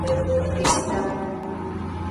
E do etavwen.